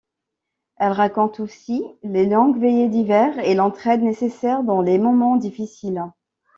Elle raconte aussi les longues veillées d’hiver et l’entraide nécessaire dans les moments difficiles.